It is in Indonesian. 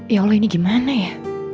ya allah ini gimana ya